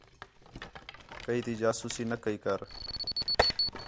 کَئی تی جاسوسی نہ کَئی کر